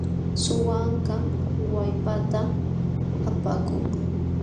Suwa ankam wallpaata apakun.